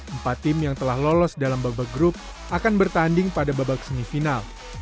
empat tim yang telah lolos dalam babak grup akan bertanding pada babak semifinal